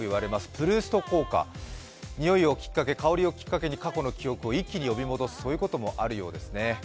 プルースト効果、においをきっかけ、香りをきっかけに過去のことを思い出すことがあるそうです。